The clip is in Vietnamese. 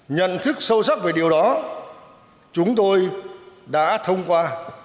nhận thức sâu sắc về điều đó chúng tôi đã thông qua